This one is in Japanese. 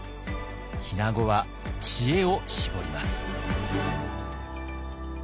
日名子は知恵を絞ります。